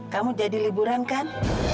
kamu jadi liburan kan